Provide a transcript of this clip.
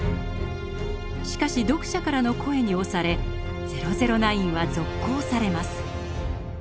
しかし読者からの声に押され「００９」は続行されます。